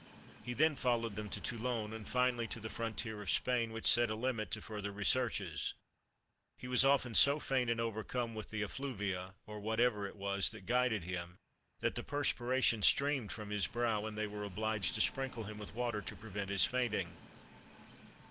He then followed them to Toulon, and finally to the frontier of Spain, which set a limit to further researches. He was often so faint and overcome with the effluvia, or whatever it was that guided him, that the perspiration streamed from his brow, and they were obliged to sprinkle him with water to prevent his fainting.